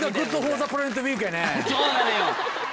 そうなのよ！